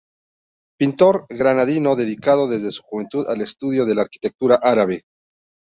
Pintor granadino, dedicado desde su juventud al estudio de la arquitectura árabe.